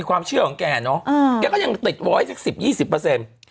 แกก็ยังติดไว้สัก๑๐๒๐